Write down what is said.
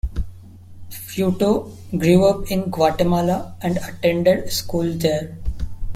Fruto grew up in Guatemala and attended school there.